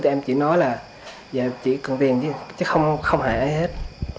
thì em chỉ nói là giờ em chỉ cần tiền chứ chứ không hại ai hết